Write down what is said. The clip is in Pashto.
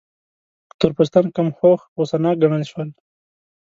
تور پوستان کم هوښ، غوسه ناک ګڼل شول.